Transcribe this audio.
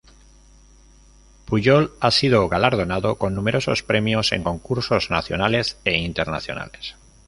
Pujol ha sido galardonado con numerosos premios en concursos nacionales e internacionales.